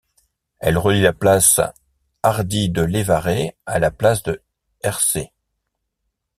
Elle relie la place Hardy-de-Lévaré à la place de Hercé.